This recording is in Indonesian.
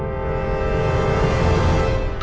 rumah sakitnya angker pak